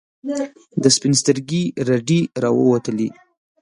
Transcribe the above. د سپین سترګي رډي راووتلې.